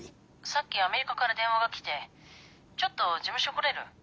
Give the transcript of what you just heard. さっきアメリカから電話が来てちょっと事務所来れる？